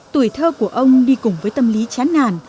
tuổi thơ của ông đi cùng với tâm lý chán nàn